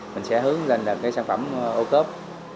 mình sẽ hướng lên sản phẩm ô cớp